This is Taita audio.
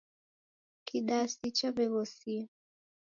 Kidasi chaw'eghosia.